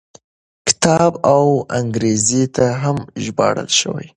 کتاب اوس انګریزي ته هم ژباړل شوی.